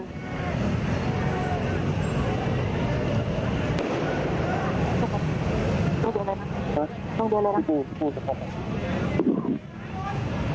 ก็เป็นแค่หนึ่งแล้วนะคะ